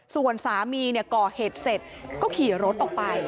ส่วนสามีก่อเหตุเสร็จก็ขี่รถออกไป